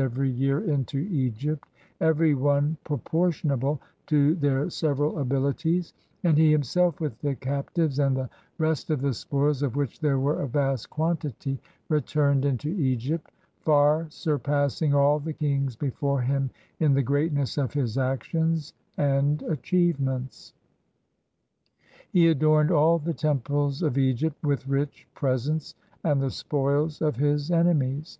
92 THE MIGHTY REIGN OF SESOSTRIS year into Egypt, every one proportionable to their sev eral abilities, and he himself with the captives and the rest of the spoils (of which there were a vast quantity) returned into Egypt, far surpassing all the kings before him in the greatness of his actions and achievements. He adorned all the temples of Egypt with rich presents and the spoils of his enemies.